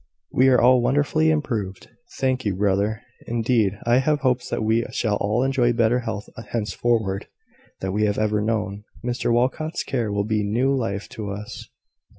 "We are all wonderfully improved, thank you, brother. Indeed I have hopes that we shall all enjoy better health henceforward than we have ever known. Mr Walcot's care will be new life to us."